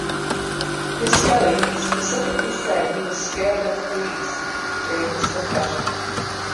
Misskelley specifically said he was "scared of the police" during this confession.